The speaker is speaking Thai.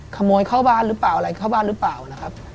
ขโมยเข้าบ้านหรือเปล่าอะไรเข้าบ้านหรือเปล่านะครับ